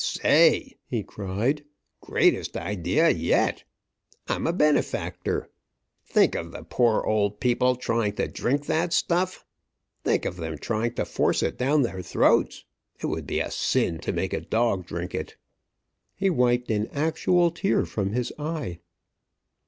"Say!" he cried, "Greatest idea yet! I'm a benefactor! Think of the poor old people trying to drink that stuff! Think of them trying to force it down their throats! It would be a sin to make a dog drink it!" He wiped an actual tear from his eye.